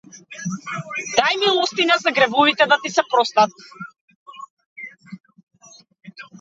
Дај милостина, за гревовите да ти се простат.